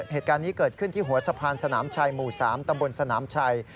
เหตุการณ์นี้เกิดขึ้นที่หัวสะพานสนามชัยหมู่๓ตำบลสนามชัย